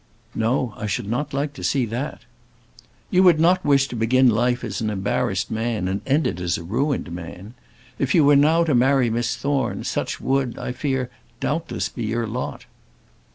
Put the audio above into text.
"No, I should not like to see that." "You would not wish to begin life as an embarrassed man and end it as a ruined man. If you were now to marry Miss Thorne such would, I fear, doubtless be your lot."